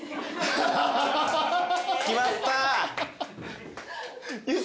決まった！